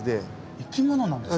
生き物なんですか？